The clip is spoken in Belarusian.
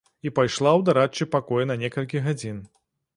І пайшла ў дарадчы пакой на некалькі гадзін.